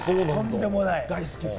とんでもない。